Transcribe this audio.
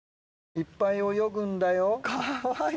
いっぱい泳ぐんだよ。